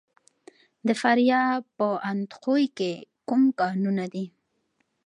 د فاریاب په اندخوی کې کوم کانونه دي؟